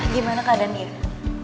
gimana keadaan diri